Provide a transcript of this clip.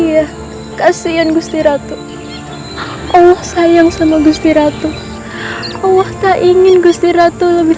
iya kasihan gusti ratu allah sayang sama gusti ratu allah tak ingin gusti ratu lebih